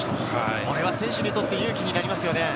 これは選手にとって勇気になりますよね。